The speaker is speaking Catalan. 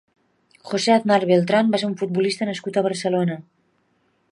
José Aznar Beltrán va ser un futbolista nascut a Barcelona.